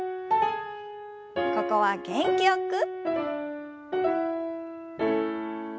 ここは元気よく。